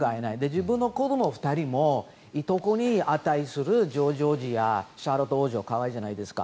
自分の子ども２人もいとこに値するジョージ王子やシャーロット王女可愛いじゃないですか。